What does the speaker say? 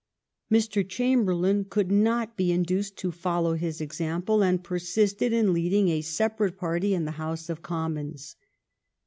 Mr. Chamberlain could not be induced to fol low his example, and persisted in leading a sepa rate party in the House of Commons.